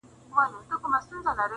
تسنیمه حسن واړه مو د زړه دننه وليد